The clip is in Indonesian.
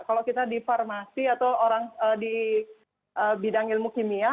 kalau kita di farmasi atau orang di bidang ilmu kimia